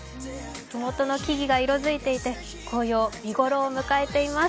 ふもとの木々が色づいていて紅葉、見頃を迎えています。